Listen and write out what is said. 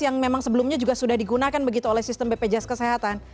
yang memang sebelumnya juga sudah digunakan begitu oleh sistem bpjs kesehatan